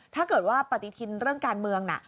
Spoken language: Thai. ถ้าเกิดว่าปฏิทินเรื่องการเมืองน่ะ